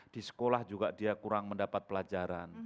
di sekolah juga dia kurang mendapat pelajaran